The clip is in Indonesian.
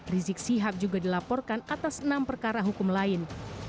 rizik sihab juga dilaporkan atas enam perkara hukum lain